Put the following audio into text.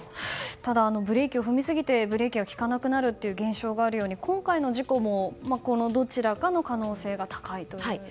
ただ、ブレーキを踏みすぎてブレーキが利かなくなる現象があるように今回の事故もどちらかの可能性が高いと。